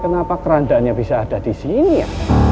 kenapa kerandanya bisa ada di sini ya